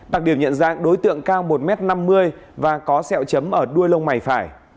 đặc điểm nhận dạng đối tượng cao một m năm mươi và có sẹo chấm ở đuôi lông mày phải